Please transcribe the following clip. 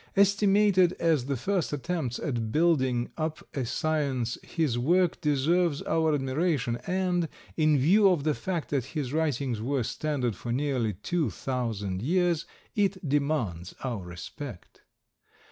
Estimated as the first attempts at building up a science his work deserves our admiration and, in view of the fact that his writings were standard for nearly two thousand years, it demands our respect.